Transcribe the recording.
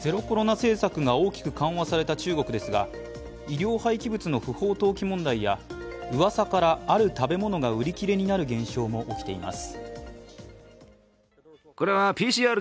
政策が大きく緩和された中国ですが、医療廃棄物の不法投棄問題やうわさから、ある食べ物が売り切れになる現象も起きています。